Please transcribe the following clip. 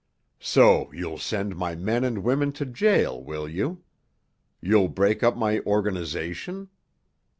So you'll send my men and women to jail, will you? You'll break up my organization?